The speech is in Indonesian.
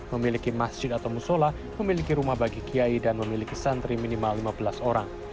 memiliki masjid atau musola memiliki rumah bagi kiai dan memiliki santri minimal lima belas orang